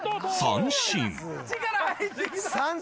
三振？